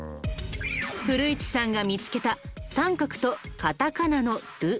古市さんが見つけた△とカタカナの「ル」。